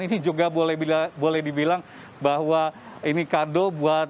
ini juga boleh dibilang bahwa ini kado buat